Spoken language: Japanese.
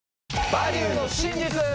「バリューの真実」！